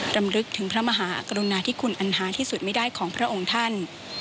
รำลึกถึงพระมหากรุณาที่คุณอันหาที่สุดไม่ได้ของพระองค์ท่าน